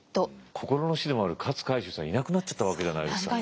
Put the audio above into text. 心の師でもある勝海舟さんいなくなっちゃったわけじゃないですか。